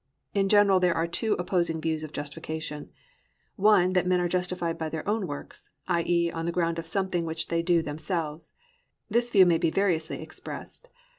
In general there are two opposing views of justification: one that men are justified by their own works, i.e., on the ground of something which they do themselves. This view may be variously expressed.